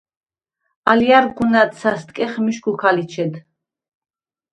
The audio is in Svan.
ალჲა̈რ გუნ ა̈დსა̈სტკეხ მიშგუ ქა ლიჩედ.